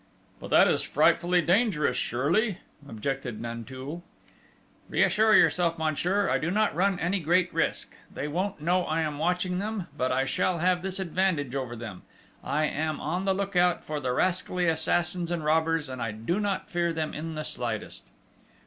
"But that is frightfully dangerous, surely?" objected Nanteuil. "Reassure yourself, monsieur, I do not run any great risk. They won't know I am watching them; but I shall have this advantage over them I am on the lookout for the rascally assassins and robbers, and I do not fear them in the slightest."